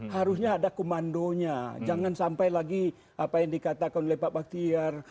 harusnya ada komandonya jangan sampai lagi apa yang dikatakan oleh pak baktiar